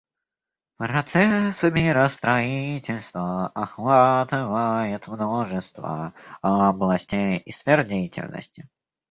Процесс миростроительства охватывает множество областей и сфер деятельности.